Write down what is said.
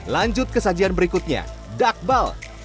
lanjut ke sajian berikutnya dakbal